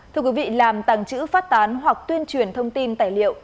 thưa quý vị làm tàng trữ phát tán hoặc tuyên truyền thông tin tài liệu